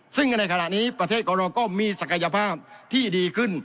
ซึ่งในขณะนี้ประเทศของเราก็มีศักยภาพที่ดีขึ้น